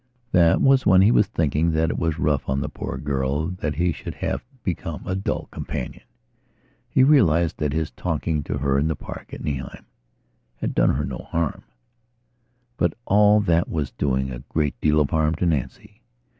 That was when he was thinking that it was rough on the poor girl that he should have become a dull companion. He realized that his talking to her in the park at Nauheim had done her no harm. But all that was doing a great deal of harm to Nancy.